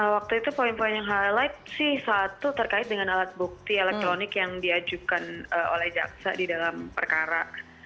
waktu itu poin poin yang highlight sih satu terkait dengan alat bukti elektronik yang diajukan oleh jaksa di dalam perkara